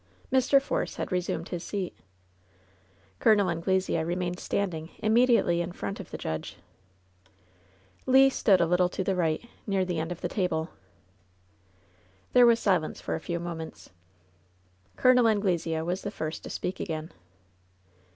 Mr. Force had resumed his seat. Col. Anglesea remained standing immediately in front of the judge. Le stood a little to the right, near the end of the table* There was silence for a few moments. Col. Anglesea was the first to speak again.